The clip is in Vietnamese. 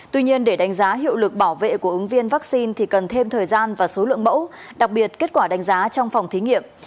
tuy nhiên để đánh giá hiệu lực bảo vệ của ứng viên vaccine thì cần thêm thời gian và số lượng mẫu đặc biệt kết quả đánh giá trong phòng thí nghiệm